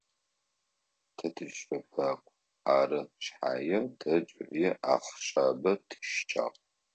Тэ тыщэфакӏу, ары шъхьае тэ джыри ахъщабэ тищыкӏагъ.